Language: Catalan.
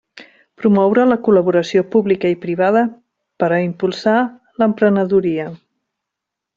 Promoure la col·laboració publica i privada per a impulsar l'emprenedoria.